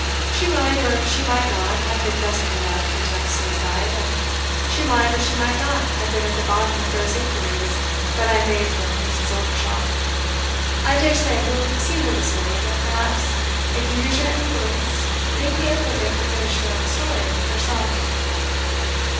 She might, or she might not, have been desperate enough to attempt suicide; and she might, or she might not, have been at the bottom of those inquiries that I made for Mrs. Oldershaw. I dare say you'll see her this morning; and perhaps, if you use your influence, you may be able to make her finish her own story herself."